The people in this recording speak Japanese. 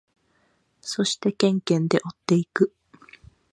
そしてケンケンで追っていく。